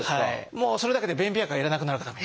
もうそれだけで便秘薬が要らなくなる方もいます。